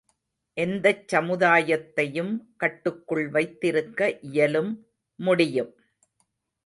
எந்தச் சமுதாயத்தையும் கட்டுக்குள் வைத்திருக்க இயலும் முடியும்!